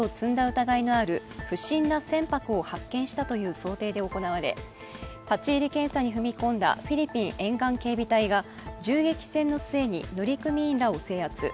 疑いのある不審な船舶を発見したという想定で行われ立ち入り検査に踏み込んだフィリピン沿岸警備隊が銃撃戦の末に乗組員らを制圧。